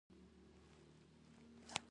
شخړه